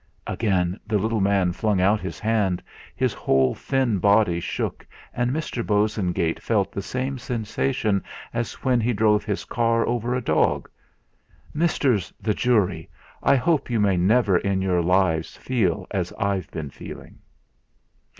Again the little man flung out his hand, his whole thin body shook and Mr. Bosengate felt the same sensation as when he drove his car over a dog "Misters the jury, I hope you may never in your lives feel as I've been feeling."